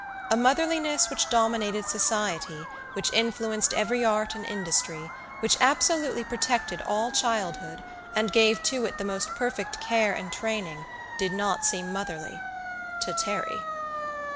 A motherliness which dominated society, which influenced every art and industry, which absolutely protected all childhood, and gave to it the most perfect care and training, did not seem motherly to Terry.